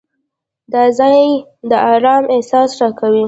دا ځای د آرام احساس راکوي.